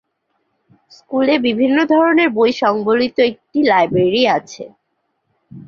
স্কুলে বিভিন্ন ধরনের বই সংবলিত একটি লাইব্রেরী আছে।